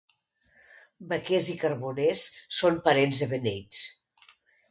Vaquers i carboners són parents de beneits.